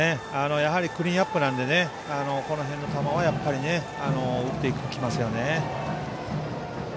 クリーンアップなのでこの辺の球を打っていきますよね。